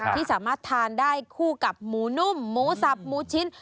ที่สามารถทานได้คู่กับหมูนุ่มหมูสับหมูชิ้น